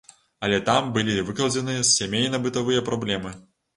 Але там былі выкладзеныя сямейна-бытавыя праблемы.